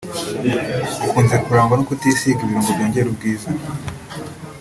ukunze kurangwa no kutisiga ibirungo byongera ubwiza